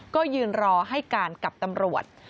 ก็ยืนรอให้การกับตำรวจ